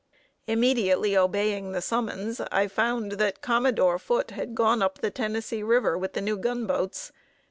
Immediately obeying the summons, I found that Commodore Foote had gone up the Tennessee River with the new gunboats.